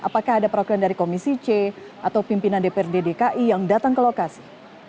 apakah ada perwakilan dari komisi c atau pimpinan dprd dki yang datang ke lokasi